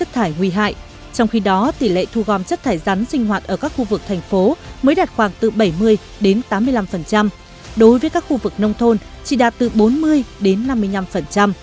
trong khi đó tỷ lệ thu gom chất thải rắn sinh hoạt ở các khu vực thành phố mới đạt khoảng từ bảy mươi đến tám mươi năm đối với các khu vực nông thôn chỉ đạt từ bốn mươi đến năm mươi năm